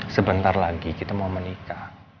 sebentar lagi kita mau menikah